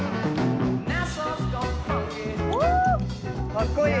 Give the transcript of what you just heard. かっこいい。